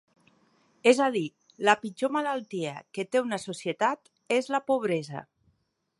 És a dir, la pitjor malaltia que té una societat és la pobresa.